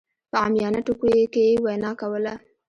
په عاميانه ټکو کې يې وينا کوله.